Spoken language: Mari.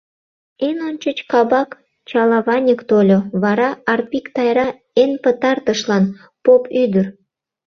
Эн ончыч кабак чалаваньык тольо, вара — Арпик Тайра, эн пытартышлан — поп ӱдыр.